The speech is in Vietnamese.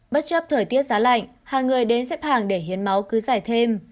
bất chấp thời tiết giá lạnh hàng người đến xếp hàng để hiến máu cứ giải thêm